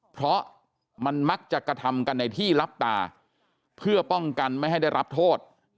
เพราะมันมักจะกระทำกันในที่รับตาเพื่อป้องกันไม่ให้ได้รับโทษ